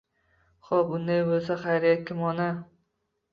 Xo'p, unday bo'lsa, Xayriya kim, ona?